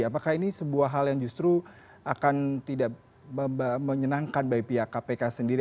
apakah ini sebuah hal yang justru akan tidak menyenangkan bagi pihak kpk sendiri